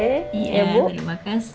iya terima kasih